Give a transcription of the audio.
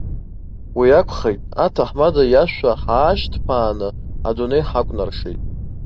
Уиакәхеит, аҭаҳмада иашәа ҳаашьҭԥааны адунеи ҳакәнаршеит.